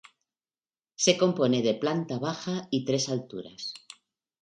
Se compone de planta baja y tres alturas.